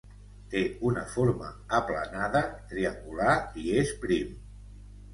Té una forma aplanada, triangular i és prim.